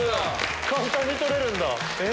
簡単に取れるんだ。